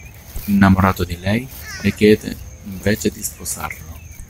Innamorato di lei, le chiede invece di sposarlo.